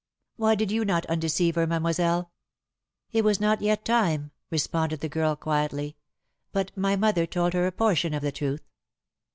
"Why did you not undeceive her, mademoiselle?" "It was not yet time," responded the girl quietly, "but my mother told her a portion of the truth."